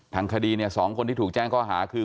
ทางคดีเนี่ย๒คนที่ถูกแจ้งข้อหาคือ